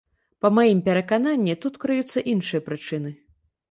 Па маім перакананні тут крыюцца іншыя прычыны.